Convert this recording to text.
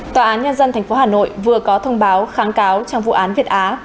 tòa án nhân dân tp hà nội vừa có thông báo kháng cáo trong vụ án việt á